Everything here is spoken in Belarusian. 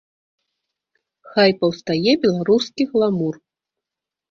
Хай паўстае беларускі гламур.